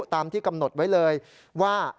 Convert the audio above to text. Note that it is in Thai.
ตามที่กำหนดไว้เลยว่า